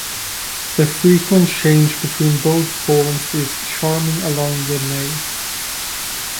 The frequent change between both forms is charming along the Nahe.